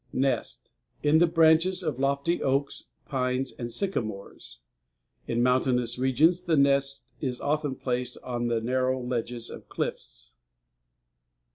NEST In the branches of lofty oaks, pines, and sycamores. In mountainous regions the nest is often placed on the narrow ledges of cliffs.